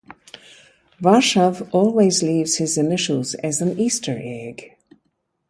Warshaw always leaves his initials as an Easter egg.